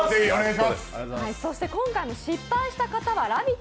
今回も失敗した方は「ラヴィット！」